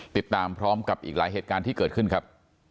ติดตามพร้อมกับอีกหลายเหตุการณ์ที่เกิดขึ้นครับ